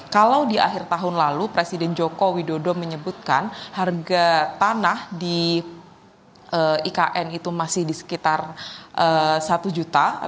kalau di akhir tahun lalu presiden joko widodo menyebutkan harga tanah di ikn itu masih di sekitar satu juta